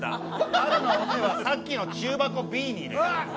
春の尾瀬はさっきの中箱Ｂに入れます。